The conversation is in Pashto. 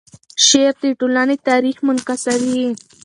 شعر د ټولنې تاریخ منعکسوي.